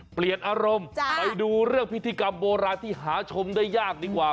เปลี่ยนอารมณ์ไปดูเรื่องพิธีกรรมโบราณที่หาชมได้ยากดีกว่า